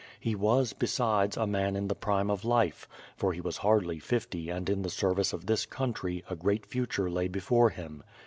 He was, besides, a man in the prime of life, for he was hardly fifty and in the service of this country, a great future lay before him.